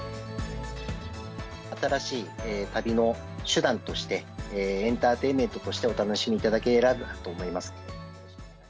新しい旅の手段として、エンターテインメントとしてお楽しみいただければと思います。